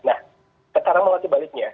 nah sekarang malah kebaliknya